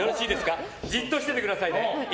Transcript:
じっとしててくださいね。